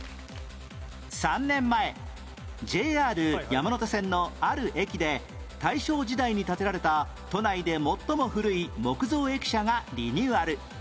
３年前 ＪＲ 山手線のある駅で大正時代に建てられた都内で最も古い木造駅舎がリニューアル